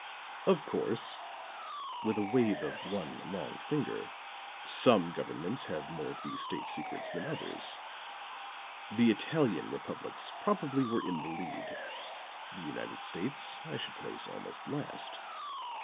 Of course," with a wave of one long finger, "some governments have more of these state secrets than others; the Italian republics probably were in the lead; the United States I should place almost last."